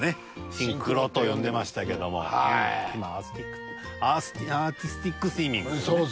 シンクロと呼んでましたけども今はアースティックアーティスティックスイミングというね。